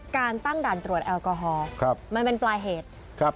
การตั้งด่านตรวจแอลกอฮอล์มันเป็นปลายเหตุครับ